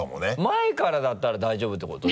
前からだったら大丈夫ってこと？